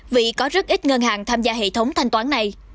vì có rất ít ngân hàng tham gia hệ thống thanh toán này